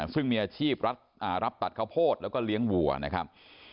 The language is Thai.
ซึ่งมีอาชีพรับตัดข้าวโพดแล้วก็เลี้ยงวัวนะครับ